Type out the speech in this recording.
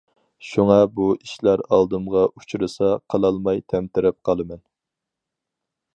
شۇڭا بۇ ئىشلار ئالدىمغا ئۇچرىسا قىلالماي تەمتىرەپ قالىمەن.